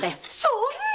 そんなあ！